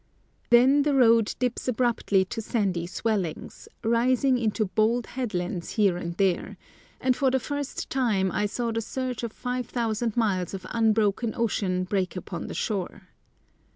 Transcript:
Then the road dips abruptly to sandy swellings, rising into bold headlands here and there; and for the first time I saw the surge of 5000 miles of unbroken ocean break upon the shore.